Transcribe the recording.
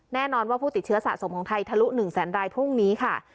แน่นอนว่าผู้ติดเชื้อสะสมของไทยทะลุ๑แสนรายพรุ่งนี้ค่ะ